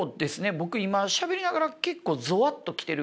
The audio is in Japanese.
僕今しゃべりながら結構ゾワッと来てるぐらいなので。